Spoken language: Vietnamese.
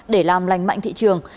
để làm lành mạnh thị trường